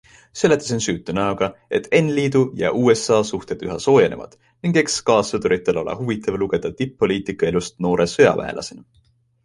Seletasin süütu näoga, et N Liidu ja USA suhted üha soojenevad ning eks kaassõduritel ole huvitav lugeda tipp-poliitiku elust noore sõjaväelasena.